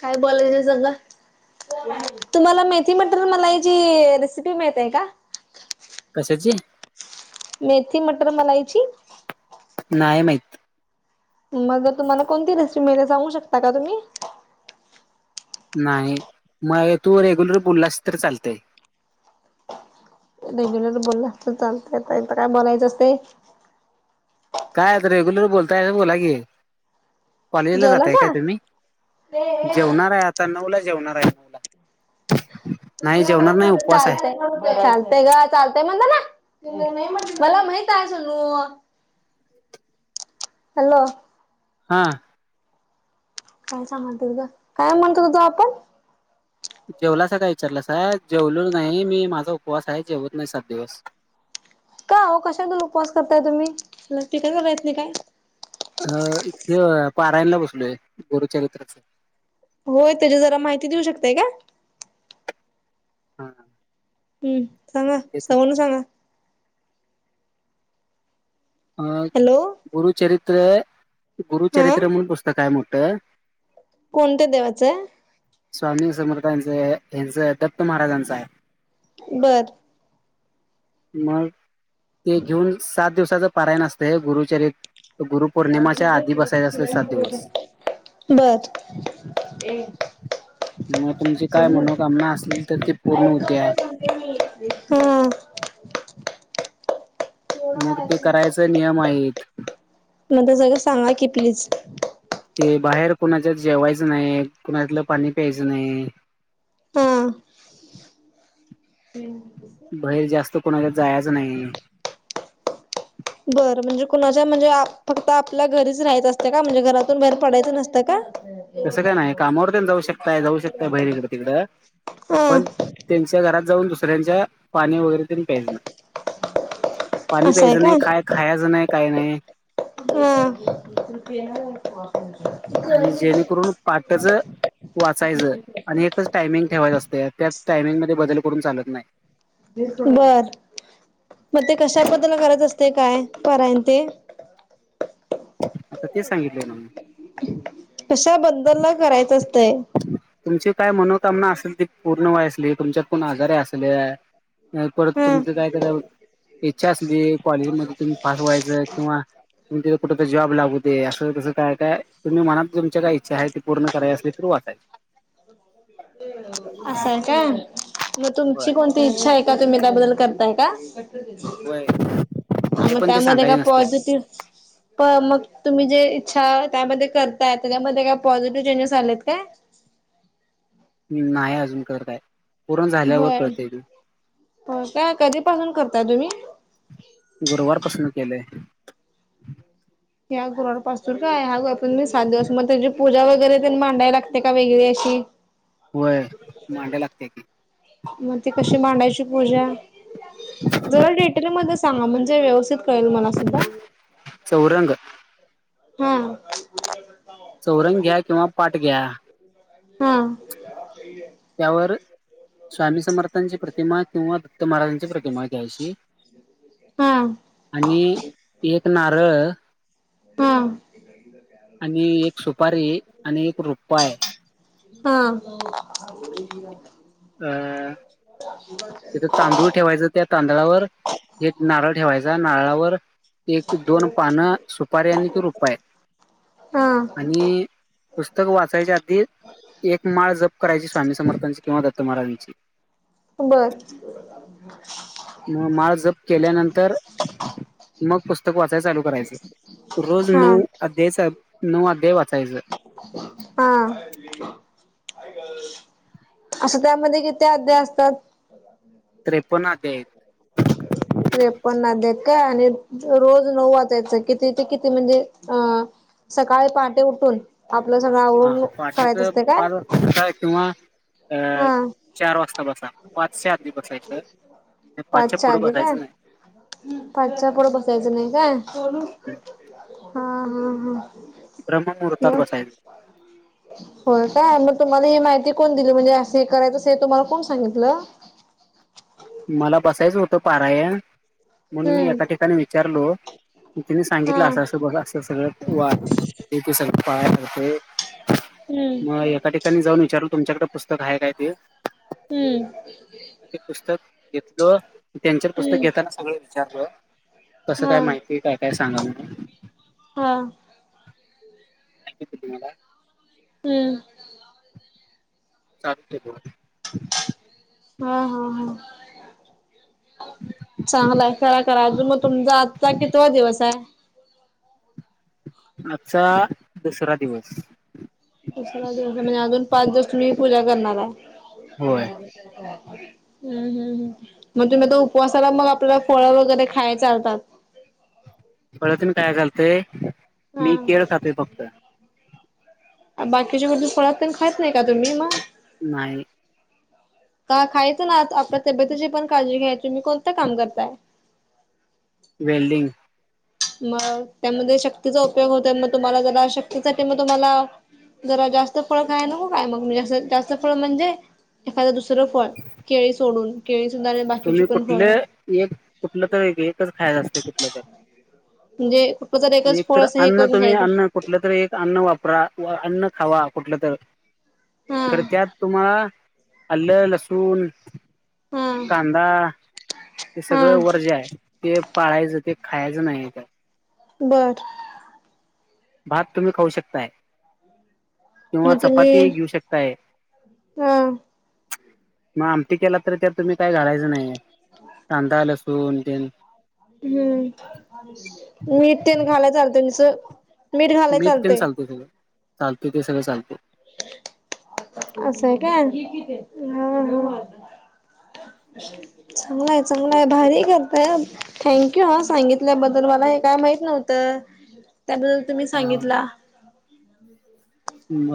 काय बोलाय संग? तुम्हाला मेथी मटर मलाई ची रेसिपी माहीत आहे का? कशाची? मेथी मटर मलाईची. नाहीय मात. मग जर तुमला कोणती रेसिपी मिळेल सांगू शकता का तुम्ही. नाही मग तू रेग्युलर बोललास तर चालतंय. रेग्युलर बोलला अस चालत आता काय बोलायचं असते. काय आता रेग्युलर बोलताय बोला की कॉलेजला जातय काय जेवलासा? तुम्ही. जेवणार आहे आता नऊ ला जेवणार आहे नऊ ला. नाही जेवणार नाही उपवास आहे चालतंय. चालतय ग चालतय म्हणता ना मला माहित आहे सलू. हॅलो. हा. काय स म्हणत त काय म्हणत हो तो आपण. जेवलासा काय विचारलं साहेब जेवलो नाही. मी माझा उपवास आहे. जेवत नाही सात दिवस. का हो कशातून उपवास करताय तुम्ही ल टीका करायच नाही काय? अ हे पारायणला बसलोय गोरुचरित्राच. होय, त्याची जरा माहिती देऊ शकताय का? हा. हम्म सांगा सवण सांगा. अ हॅलो गुरुचरित्र हा गुरुचरित्र म्हणून पुस्तकहाय मोठं. कोणत्या देवाचं? स्वामी समर्थ यांच यांचं दप्त महाराजांचं आहे. बरं. मग ते घेऊन सात दिवसाच.. परायण असते. गुरुचरित्र गुरुपौर्णिमाच्या आधी बसायचे असते. सात दिवस... बर... मग तुमची काय मनोकामना असली तर ते पूर्ण होते. हो... मग ते करायचा नियम आहेत. म त सगळं सांगा की प्लीज. ते बाहेर कुणाच्यात जेवायचं नाही. कुणातलं पाणी प्यायचं नाही. हो. बाहेर जास्त कोणाला जायच नाही. बरं म्हणजे कुणाच्या म्हणजे फक्त आपल्या घरीच राहाचं असतं का म्हणजे घरातून बाहेर पडायचं नसतं का.? तसं काय नाही. कामावर तेन जाऊ शकताय. जाऊ शकताय बाहेर इकडं तिकडं हा पण त्यांच.. च्या घरात जाऊन दुसऱ्यांच्या पाणी वगैरे तेन प्यायच... पाणी असं आहे प्यायचं नाही. काय खायचं नाही काही नाही. हम. आणि जेणेकरून पहाटच.. वाचायचं आणि एकच टायमिंग ठेवायचं असतं त्या टायमिंगमध्येध्ये बदल करून चालत नाही. बर... मग ते कशाबद्दल करत असते काय परायन तेन. आता ते सांगितलं आहे ना. कशा बदलला करायचं असतंय.. तुमची काय मनोकामना असेल ती पूर्ण व्हायच असली. तुमच्यात कोण आजार असले. परत हा तुमच काय तर इच्छा असली क्वालेजीमध्येध्ये तुम्ही पास व्हायचं किंवा... त तथे कुठं जॉब लागूदे दे. असंसं तस काय काय तुम्ही मनातुम काय इच्छा ती पूर्ण करावी असली तर... अ [inaudible] अस आहे काय का मग होय तुमची कोणती? इच्छा आहे का? तुम्ही त्याबद्दल करता का? व्हय. ह मग त्यामध्ये का पॉझिटिव.. प मग तुम्ही जे इच्छा त्यामध्ये करताय त्याच्यामध्ये काय पॉझिटिव्ह चेंजेस आलेत काय? नाही अजून खरं काय पूरण झाल्यावर कळत त.. होय काय कधीपासून करता तुम्ही? गुरुवारपासून केले. ह्या गुरुवारपासून काय? ह्या मी सात दिवस मग त्याची पूजा वगैरे मांडाय लागते का वेगळी अशी.. होय. मांडाय लागते.. मग ती कशी मांडायची पूजा? जरा डिटेल मध्ये सांगा. म्हणजे व्यवस्थित कळेल मला सुद्धा. चौरंग.. हा.. चौरंग घ्या किंवा पाठ घ्या. हा. त्यावरी स्वामी समर्थांची प्रतिमा किंवा तर महाराजांची प्रतिमा द्यायशी हां आणि एक नारळ हां आणि एक सुपारी आणि एक रुपये हां अं तिथं तांदुळ ठेवायच. त्या तांदळावर एक नारळ ठेवायचा नारळावर एक -दोन पानं सुपारीे आणि तो रुपये हा आणि पुस्तक वाचायच्या आधी एक माळ जप करायची स्वामी समर्थानची किंवा दत्त महाराजाची बर म माळ जप केल्यानंतर मग पुस्तक वाचाय चालु करायचं रोज हा नऊ अध्यायच नऊ अध्याय वाचायच. हां असं त्यामध्ये किती अध्याय असतात? त्रेपन्न अध्याय आहे. त्रेपन्न अध्याय आहे का आणि रोज नऊ अध्याय त्याच किती ते किती म्हणजे अ सकाळी पहाटे उठुन आपलं सगळं आवरून हां पाहटेच पाच वाजता किंवा अं हा चार वाजता बसा पाच च्या आधी बसायचं नाही पाच च्या पुढं बसायचं नाही. पाच च्या पुढं बसायचं नाही का हा नाही. हां हां ब्रह्ममुहूर्तात हं बसायचं. होय काय मग तुम्हाला ही माहिती कोण दिली म्हणजे हे करायचं असं हे तुम्हाला कोण सांगितलं मला बसायचं होतं पारायण म्हणून मी हम्म एका ठिकाणी विचारलो तिने हा सांगितलं अस असं बघा अस सगळं वाल एक दिवसाला पायाच ते हम्म मग एका ठिकाणी जाऊन विचारू तुमच्याकडे पुस्तक आहे काय ते? हम्म ते पुस्तक घेतल त्यांच पुस्तक हम्म घेताना सगळं विचारलं, कसं हा काय माहिती काय-काय सांगा म्हणुन. हां. माहिती होतं तुम्हाला? हम्म. चाटके बोध हां- हां- हां. चांगला आहे. करा- करा अजुन, मग तुमचा आजचा कितवा दिवस आहे? आजचा दुसरा दिवस. दुसरा दिवस म्हणजे अजुन पाच दिवस तुम्ही पुजा करणार हाय. होय ह्म ह्म ह्म. मग तुम्ही तो उपवासाला मग आपल्याला फळं वगैरे खाया चालतात. फळात तुम्ही काय खाल्लते? मी केळ हा खातोय फ बाकीच्या मं फळा पण खात नाही का तुम्ही मग. नाही. का खायचं ना, आप- आपल्या तब्येतीची पण काळजी घ्यायची. तुम्ही कोणतं काम करताय? वेल्डिंग. मग त्यामध्ये शक्तीचा उपयोग होतो, मग तुम्हाला जर अशक्ती झाली मग तुम्हाला जरा जास्त फळ खाया नको काय मग, अस जास्त फळ म्हणजे एखादं दुसरं दुसरं फळं केळी सोडून केळी बाकीची तुम्ही पण फळ कुठले एक कुठलं तरी एकच खायचं असत कुठलं पण. म्हणजे कुठलं जर एकच फळ तर असं हे अन्न करून तुम्ही अन्न घ्यायचं. कुठलं तरी एक अन्न वापरा किंवा अन्न खावा कुठलं तर हा करत्यात तुम्हा अल्ल, लसून हा कांदा हे सगळं हा वर्ज्य आहे. ते पाळायचं ते खायचं नाही तर बरं. भात तुम्ही खाऊ शकताय. किंवा मग तुम्ही चपातीही घेऊ शकताय. हा मग आमटी केला तरी त्यात तुम्ही काय घालायचं नाहीये कांदा, लसू सून तेन हम्म. मीठ, तेल घालायला चालत निस, मीठ घालाय चालतंय. चालते ते सगळं चालतो. असंय का? हं हं. [inaudible] चागलंय- चागलंय भारी करताय हं थँक यु हं सांगितल्या बद्दल मला हे काय माहित नव्ह त तर तुम्ही हा सांगितला.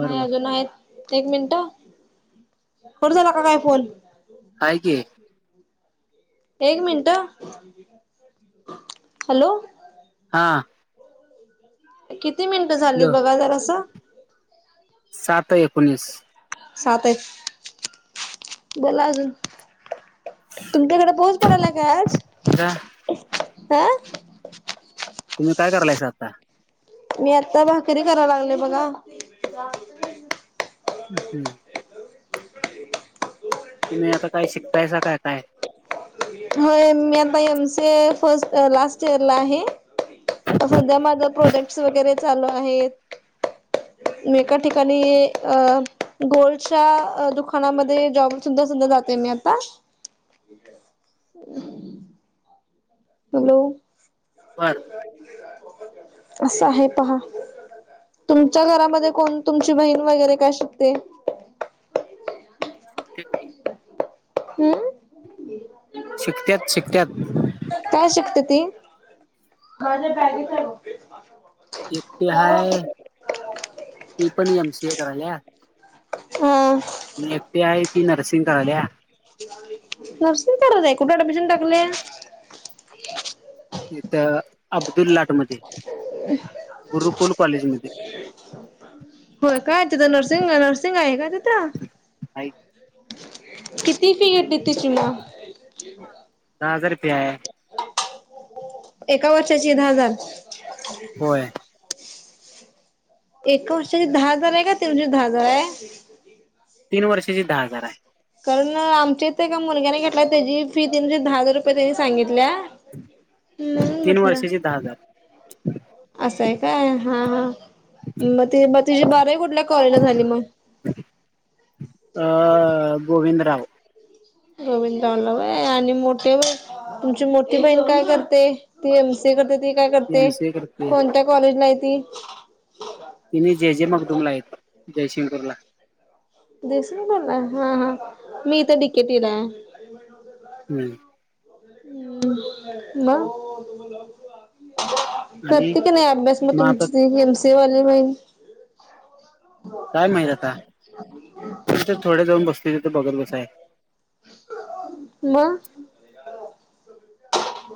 नाही अजून आहेत एक मिनिट, कट झाला का काय फोन? हाय कि एक मिनट, हॅलो. हा. किती मिनिटं झालीत हॅलो बघा जरासं? सात एकोणीस सात आहेत, बोला अजून. तुमच्याकड पाऊस पडलाय काय आज, का आं. तुम्ही काय करालयसा आता? मी आत्ता भाकरी करा लागले बघा. [inaudible] हम्म. तुम्ही आता काय शिकतायसा काय काय? होय मी आता M C A first last इयरला आहे. आता सध्या माझ प्रोजेक्ट्स वगैरे चालू आहेत. मी एका ठिकाणी अ, गोल्डच्या अ दुकानामध्ये जॉब सुधा सुधा जाते मी आता. [inaudible] हॅलो. बर. असं आहे पहा. तुमच्या घरामध्ये कोण तुमची बहीण वगैरे काय शिकते? [unintelligible] हम्. शिकत्यात शिकत्यात. काय शिकत्या ती, माझ्या बॅगेत हाय ब. एकटी हाय, ती पण एम सी ए करायल्या. हम. म एकटी हाय ती नर्सिंग करायल्या. नर्सिंग करायक्या कुठ ॲडमिशन टाकल्या? इथ, अब्दुललाट मध्ये, गुरुकुल कॉलेज मध्ये. होय काय तिथं नर्सिंग नर्सिंग आहे का तिथं? आहे किती फि येते तिची म? दहा हजार फि हाय. एका वर्षाची दहाजार? होय. एका वर्षाची दहा हजार आहे का तेवडीच दहा हजार आहे? तीन वर्षाची दहा हजार हाय. कारण आमच्या इथ एका मुलग्यान घेतलाय त्याची फी [unintelligible] दहा हजार रुपये त्यांनी सांगितल्या. म्हणून तीन म्हटलं. वर्षाची दहा हजार असंय काय हा. म ते म ते तिझी बारावी कुठल्या कॉलेजला झाली मग? अ गोविंदराव. गोविंदरावला होय आणि मोठ्या बही, तुमची मोठी बहीण काय करते? ती एम सी ए करते ती काय एम करते, सी ए करते कोणत्या कॉलेज ला हाय ती? तिने जे जे मगदूमला आहेत, जयशिंगपूरला. जयसिंगपूरला हा, मी इथं डि के टीला हाय. हम्म. म, आणि करते की नाही अभ्यास म मग आता तुमची एम सि ते वाली बहीण. काय माहीत आता, मी तर थोड जाऊन बसतय तिथ बघत बसाय म.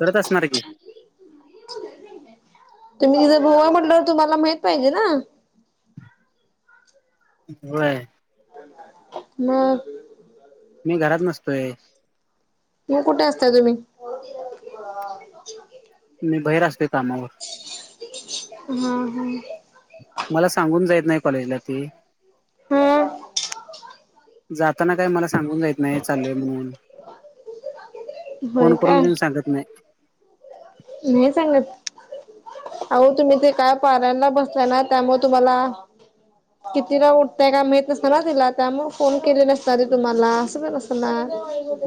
करत असणार ये की, तुम्ही तिचा भाऊ हाय, म्हटल्यावर तुम्हाला माहित पाहिजे ना? व्हय. म मी घरात नसतोय. म कुठे असताय तुम्ही? मी बहेर असतोय कामावर हा हा मला सांगून जायेत नाय कॉलेजला ती हो जाताना काय मला सांगून जायेत नाय चाललोय म्हणून होय फोन काय करून तेन सांगत नाय. नाय सांगत अहो, तुम्ही ते काय पारयना बसला ना त्यामुळे तुम्हाला किती ला उठताय काय माहीत नसत ना तिला त्यामुळ फोन केले नसणार ये तुम्हाला असं काय नसणार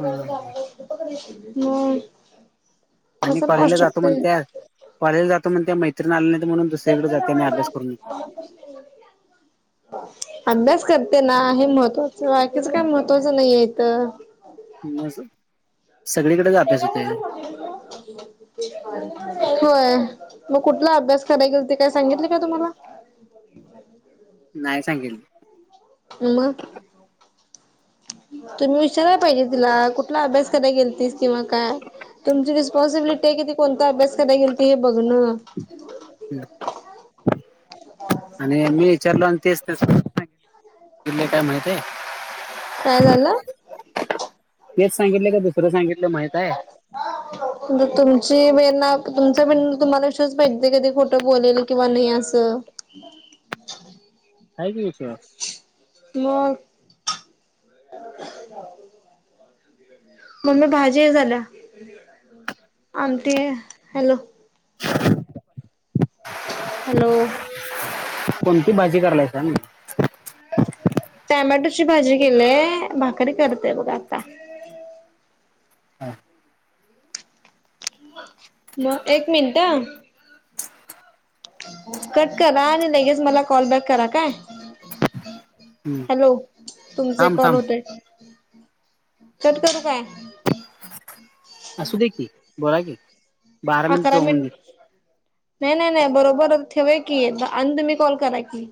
हं. नय. आणि कॉलेजला जातो म्हणत्या कॉलेजला जातो म्हणत्या मैत्रिण आले नाहीत म्हणून दुसरीकडे जाते आणि अभ्यास करून येते [unintelligible] अभ्यास करते ना, हे महत्वाचं बाकीच काय महत्त्वाचं नाइये इथं [unintelligible] असं तेज्या [unintelligible] होय, म कुठला अभ्यास कराय गेलती काय सांगितलय का तुम्हाला? नाय सांगीतलं. म [inaudible] तुम्ही विचाराला पाहिजे तिला, कुठला अभ्यास करायला गेलतीस किंवा काय? तुमची रिस्पॉन्सिबिलिटी ये की ती कोणता अभ्यास कराय गेलती हे बघनं [inaudible] आणि मी विचारलो आणि तेच तेच [inaudible] माहितीये. काय झालं? तेच सांगितलं का, दुसरं सांगितलं माहित हाय? पुढे तुमची बहीण नाय तुमचा बहीण तुम्हाला विश्वास पाहिजे की ती खोटं बोलेल किंवा नाई असं [inaudible] हाय की विश्वास मग मम्मी भाजी हे झाल्या. आमटी, हॅलो हॅलो कोणती भाजी करालयसा म टॅमॅटो भाजी केलीय. भाकरी करतय बघा आता हा [unintelligible] म, एक मिनटं ह कट करा. आणि लगेच मला कॉल बॅक करा काय? हम्म. हॅलो तुमच एक थांब कॉल थांब होतय. कट करू काय? असूदे की, बोला की, बारा मिनिट अकरा जाऊन दे मिनट नाही नाही नाही बरोबर ठेवे की आणि तुम्ही कॉल करा की